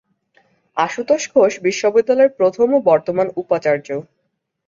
আশুতোষ ঘোষ বিশ্ববিদ্যালয়ে প্রথম ও বর্তমান উপাচার্য।